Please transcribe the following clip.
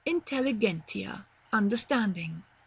Intelligentia. Understanding.